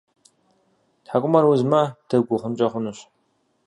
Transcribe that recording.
ТхьэкӀумэр узмэ, дэгу ухъункӀэ хъунущ.